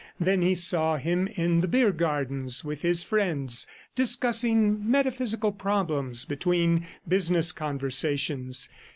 Then he saw him in the beer gardens with his friends, discussing metaphysical problems between business conversations.